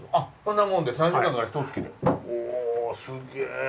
おすげえ！